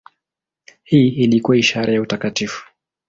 Hii ilikuwa ishara ya utakatifu.